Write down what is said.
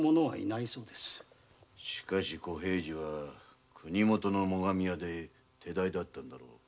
しかし小平次は国元の最上屋で手代だったのだろう。